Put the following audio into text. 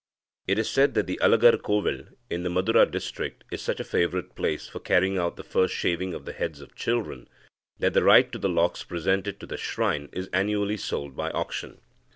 It is said that Alagarkovil in the Madura district is such a favourite place for carrying out the first shaving of the heads of children, that the right to the locks presented to the shrine is annually sold by auction.